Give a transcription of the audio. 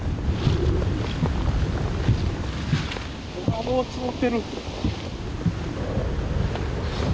あもう積もってる。